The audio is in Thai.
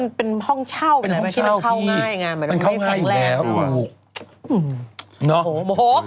นี่เป็นห้องเช่าที่เข้าง่ายไง